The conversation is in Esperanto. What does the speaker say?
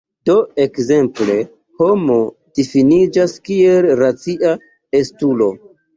Do ekzemple "homo" difiniĝas kiel "racia estulo".